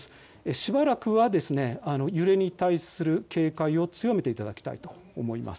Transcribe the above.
しばらくはですね、揺れに対する警戒を強めていただきたいと思います。